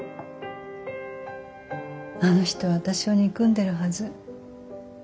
あの人は私を憎んでるはず。